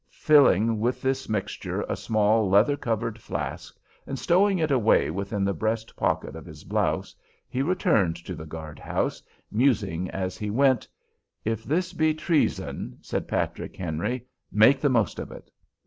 Filling with this mixture a small leather covered flask, and stowing it away within the breast pocket of his blouse, he returned to the guard house, musing as he went, "'If this be treason,' said Patrick Henry, 'make the most of it.'